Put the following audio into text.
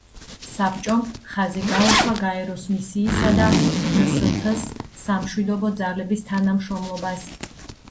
საბჭომ, ხაზი გაუსვა გაეროს მისიისა და დსთ-ს სამშვიდობო ძალების თანამშრომლობას.